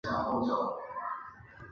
日军相继攻下重镇包头。